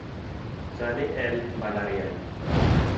Sani en mbalariany.